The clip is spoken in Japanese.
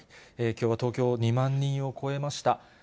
きょうは東京、２万人を超えました。